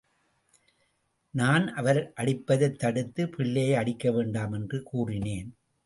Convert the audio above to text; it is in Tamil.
நான் அவர் அடிப்பதைத் தடுத்து, பிள்ளையை அடிக்கவேண்டாம் என்று கூறினேன்.